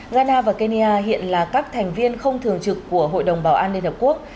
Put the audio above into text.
ghana và kenya hiện là các thành viên không thường trực của hội đồng bảo an liên hợp quốc